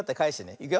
いくよ。